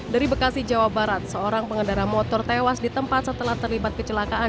dari bekasi jawa barat seorang pengendara motor tewas di tempat setelah terlibat kecelakaan